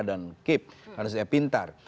dan kip kartu indonesia pintar